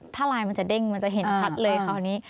ถ้าลายมันจะเด้งมันจะเห็นชัดเลยคราวนี้